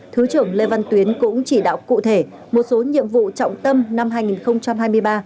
thứ trưởng lê văn tuyến cũng chỉ đạo cụ thể một số nhiệm vụ trọng tâm năm hai nghìn hai mươi ba